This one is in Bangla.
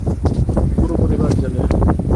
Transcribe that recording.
পুরো পরিবার জেলে।